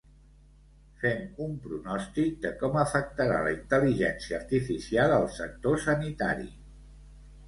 fem un pronòstic de com afectarà la intel·ligència artificial al sector sanitari